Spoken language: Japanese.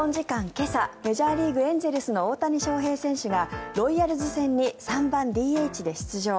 今朝、メジャーリーグエンゼルスの大谷翔平選手がロイヤルズ戦に３番ＤＨで出場。